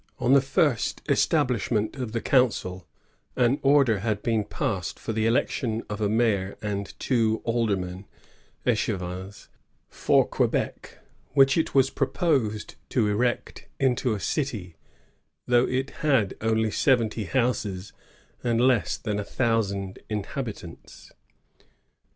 On the first establish ment of the council, an order had been passed for the election of a mayor and two aldermen (ickevitis) for Quebec, which it was proposed to erect into a city, though it had only seventy houses and less than a thousand inhabitants.